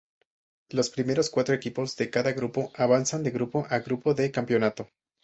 Los primeros cuatro equipos de cada grupo avanzan de grupo a Grupo de Campeonato.